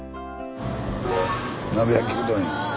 鍋焼きうどんや。